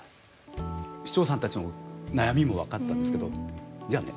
市長さんたちの悩みも分かったんですけどじゃあね